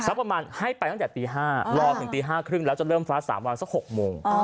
ประมาณให้ไปตั้งแต่ตี๕รอถึงตี๕๓๐แล้วจะเริ่มฟ้า๓วันสัก๖โมง